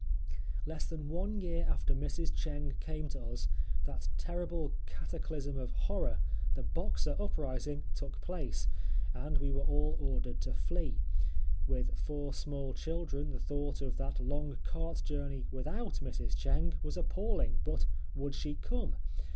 Less than one year after Mrs. Cheng came to us, that terrible cataclysm of horror—the Boxer uprising—took place, and we were all ordered to flee. With four small children the thought of that long cart journey without Mrs. Cheng was appalling; but would she come?